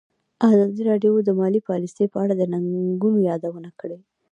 ازادي راډیو د مالي پالیسي په اړه د ننګونو یادونه کړې.